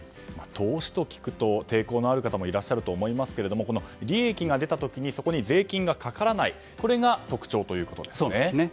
投資と聞くと、抵抗のある方もいらっしゃると思いますけれども利益が出た時に税金がかからないこれが特徴ということですね。